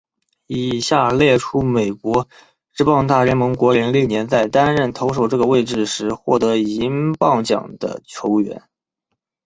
以下列出美国职棒大联盟国联历年在担任投手这个位置时获得银棒奖的球员。